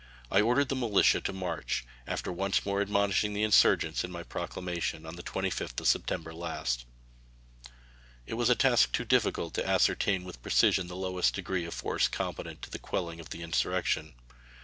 I ordered the militia to march, after once more admonishing the insurgents in my proclamation of the 25th of September last. It was a task too difficult to ascertain with precision the lowest degree of force competent to the quelling of the insurrection.